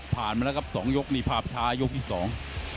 ผ่านมาแล้วครับสองยกนิพาพิธายกที่สอง